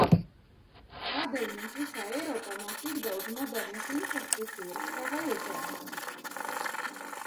Kādēļ mums visā Eiropā nav tik daudz modernas infrastruktūras, kā vajadzētu?